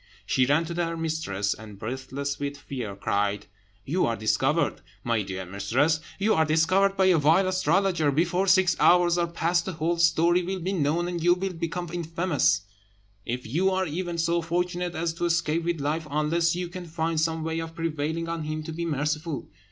She ran to her mistress, and, breathless with fear, cried, "You are discovered, my dear mistress, you are discovered by a vile astrologer. Before six hours are past the whole story will be known, and you will become infamous, if you are even so fortunate as to escape with life, unless you can find some way of prevailing on him to be merciful."